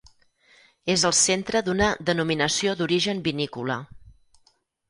És el centre d'una denominació d'origen vinícola.